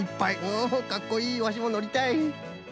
おかっこいいワシものりたい。